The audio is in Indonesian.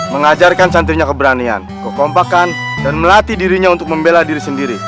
mengajarkan santrinya keberanian kekompakan dan melatih dirinya untuk membela diri sendiri